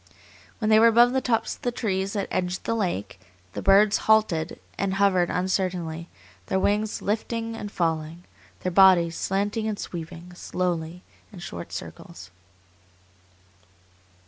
When they were above the tops of the trees that edged the lake, the birds halted and hovered uncertainly, their wings lifting and falling, their bodies slanting and sweeping slowly, in short circles.